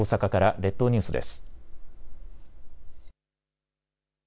列島ニュースです。